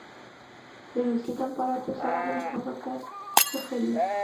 د روسیې د امپراطور سلامونه هم ورته کښلي.